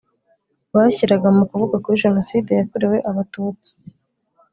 bashyiraga mu kuvuga kuri jenoside yakorewe abatutsi